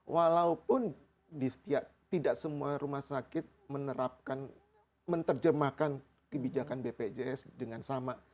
walaupun di setiap tidak semua rumah sakit menerapkan menerjemahkan kebijakan bpjs dengan sama